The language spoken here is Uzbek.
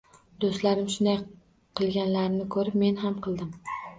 “Do‘stlarim shunday qilganlarini ko‘rib, men ham... qildim”.